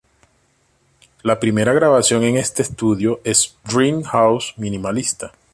La primera grabación en este estudio es "Dream House minimalista".